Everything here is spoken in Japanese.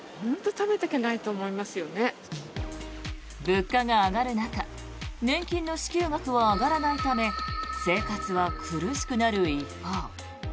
物価が上がる中年金の支給額は上がらないため生活は苦しくなる一方。